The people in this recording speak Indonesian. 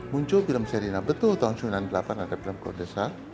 muncul film serina betul tahun seribu sembilan ratus sembilan puluh delapan ada film prodesa